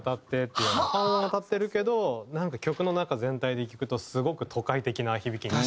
半音当たってるけどなんか曲の中全体で聴くとすごく都会的な響きに。